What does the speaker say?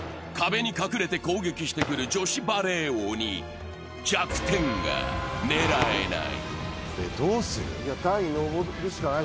壁に隠れて攻撃してくる女子バレー鬼に弱点が狙えない。